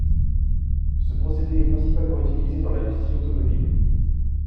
Ce procédé est principalement utilisé dans l’industrie automobile.